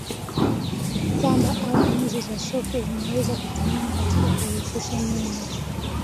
Pamba au nyuzi za sufu zinaweza kutumiwa katika kurefusha nywele